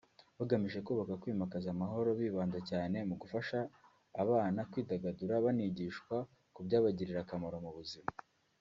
bagamije kubaka kwimakaza amahoro bibanda cyane mu gufasha abana kwidagadura banigishwa ku byabagirira akamaro mu buzima